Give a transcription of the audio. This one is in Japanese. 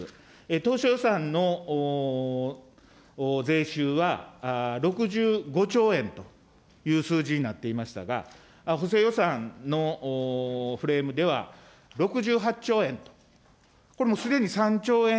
当初予算の税収は６５兆円という数字になっていましたが、補正予算のフレームでは、６８兆円と、これもうすでに３兆円